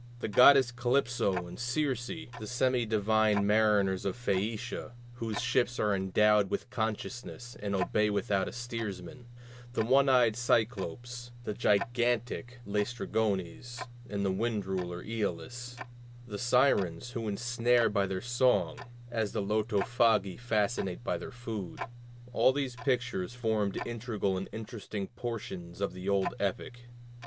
The goddesses Calypso and Circe; the semi divine mariners of Phæacia, whose ships are endowed with consciousness and obey without a steersman; the one eyed Cyclopes, the gigantic Læstrygones, and the wind ruler Æolus; the Sirens, who ensnare by their song, as the Lotophagi fascinate by their food, all these pictures formed integral and interesting portions of the old epic.